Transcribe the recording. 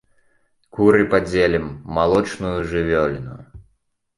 Куры падзелім, малочную жывёліну.